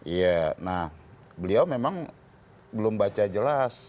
iya nah beliau memang belum baca jelas